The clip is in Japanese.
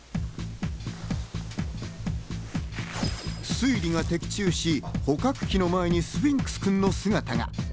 推理が的中し、捕獲器の前にスフィンクスくんの姿が。